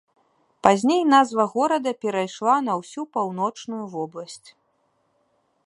Пазней назва горада перайшла на ўсю паўночную вобласць.